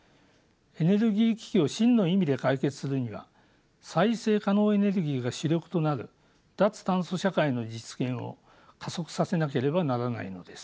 エネルギー危機を真の意味で解決するには再生可能エネルギーが主力となる脱炭素社会の実現を加速させなければならないのです。